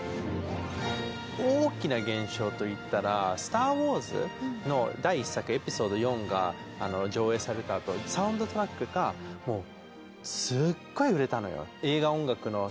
大きな現象といったら「スター・ウォーズ」の第１作「エピソード４」が上映されたあとサウンドトラックがもうすっごい売れたのよ。